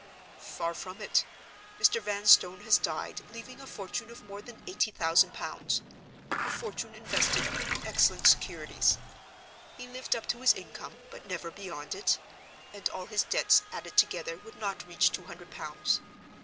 "Far from it. Mr. Vanstone has died, leaving a fortune of more than eighty thousand pounds—a fortune invested in excellent securities. He lived up to his income, but never beyond it; and all his debts added together would not reach two hundred pounds.